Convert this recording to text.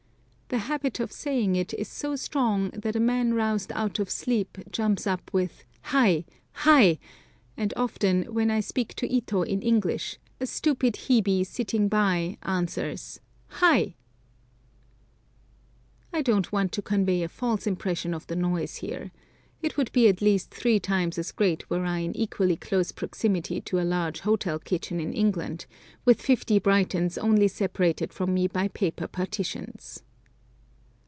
The habit of saying it is so strong that a man roused out of sleep jumps up with Hai, Hai, and often, when I speak to Ito in English, a stupid Hebe sitting by answers Hai. I don't want to convey a false impression of the noise here. It would be at least three times as great were I in equally close proximity to a large hotel kitchen in England, with fifty Britons only separated from me by paper partitions.